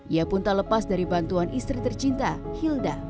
ia pun tak lepas dari bantuan istri tercinta hilda